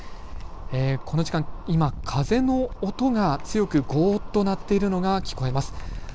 この時間、今、風の音がゴーッと鳴っているのが聞こえます。